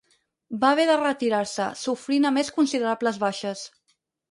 Va haver de retirar-se, sofrint a més considerables baixes.